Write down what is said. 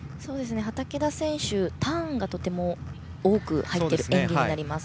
畠田選手ターンがとても多く入っている演技になります。